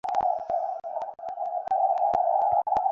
তা হোক, কিন্তু রাগের কারণ থাকলে রাগ না করাটা অমানবিক।